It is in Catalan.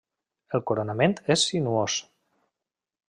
El coronament és sinuós.